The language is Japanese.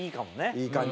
いい感じね。